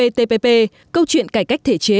cptpp câu chuyện cải cách thể chế